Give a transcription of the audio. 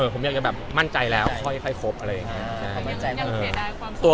ผมอยากจะแบบมั่นใจแล้วค่อยครบอะไรอย่างนี้